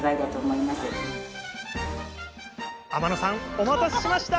お待たせしました。